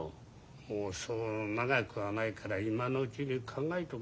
もうそう長くはないから今のうちに考えとくんだな。